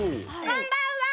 こんばんは！